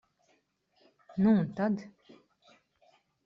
Nu un tad?